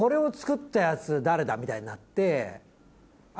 みたいになって。